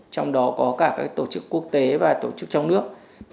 trong đó có cả các tổ chức quốc tế và tổ chức trong nước